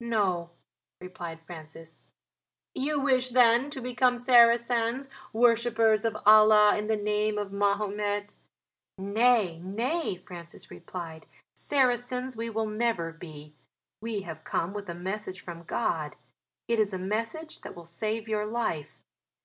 "No," replied Francis. "You wish then to become Saracens worshippers of Allah in the name of Mahomet?" "Nay, nay," answered Francis, "Saracens we will never be. We have come with a message from God; it is a message that will save your life.